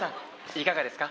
いかがですか？